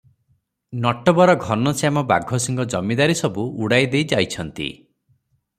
ନଟବର ଘନଶ୍ୟାମ ବାଘସିଂହ ଜମିଦାରୀସବୁ ଉଡ଼ାଇଦେଇ ଯାଇଛନ୍ତି ।